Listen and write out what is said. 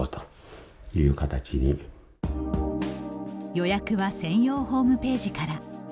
予約は専用ホームページから。